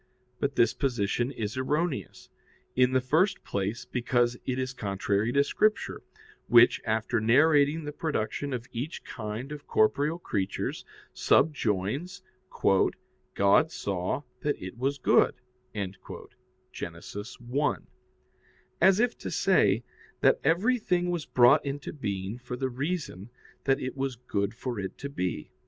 But this position is erroneous. In the first place, because it is contrary to Scripture, which, after narrating the production of each kind of corporeal creatures, subjoins, "God saw that it was good" (Gen. 1), as if to say that everything was brought into being for the reason that it was good for it to be.